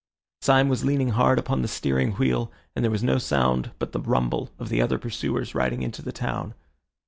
Syme was leaning hard upon the steering wheel, and there was no sound but the rumble of the other pursuers riding into the town.